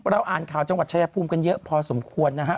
อ่านข่าวจังหวัดชายภูมิกันเยอะพอสมควรนะฮะ